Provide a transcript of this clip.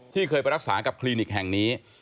เคยไปรักษากับคลินิกแห่งนี้